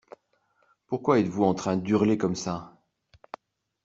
Pourquoi êtes-vous en train d’hurler comme ça ?